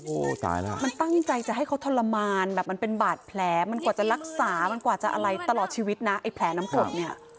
โอ้โหตายแล้วมันตั้งใจจะให้เขาทรมานแบบมันเป็นบาดแผลมันกว่าจะรักษามันกว่าจะอะไรตลอดชีวิตนะไอ้แผลน้ำกรดเนี่ย